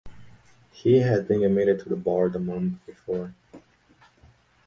He had been admitted to the bar the month before.